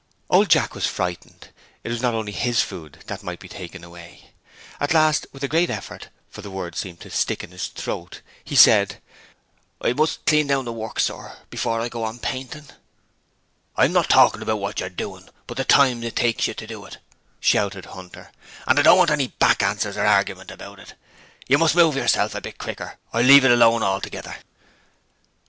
Old Jack was frightened it was not only HIS food that might be taken away. At last, with a great effort, for the words seemed to stick in his throat, he said: 'I must clean the work down, sir, before I go on painting.' 'I'm not talking about what you're doing, but the time it takes you to do it!' shouted Hunter. 'And I don't want any back answers or argument about it. You must move yourself a bit quicker or leave it alone altogether.'